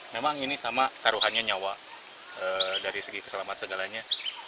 memang ini sama taruhannya nyawa dari segi keselamatan segalanya